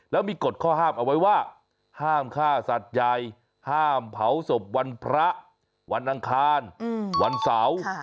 แล้วมีกฎข้อห้ามเอาไว้ว่าห้ามฆ่าสัตว์ใหญ่ห้ามเผาศพวันพระวันอังคารวันเสาร์